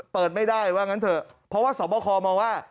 เปิดไม่ได้ว่างั้นเถอะเพราะว่าสวบคอมองว่า